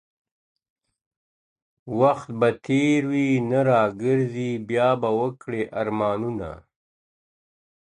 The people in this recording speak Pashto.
وخت به تېر وي نه راګرځي بیا به وکړې ارمانونه.